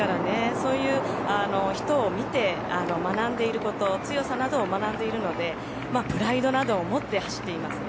そういう人を見て学んでいる強さなどを学んでいるのでプライドなどを持って走っていますよね。